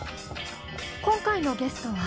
今回のゲストは？